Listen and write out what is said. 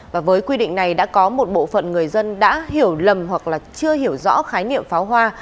và với quy định này đã có một bộ phận người dân đã hiểu lầm hoặc là chưa hiểu rõ khái niệm pháo hoa